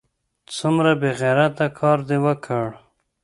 څومره بې غیرته کار دې وکړ!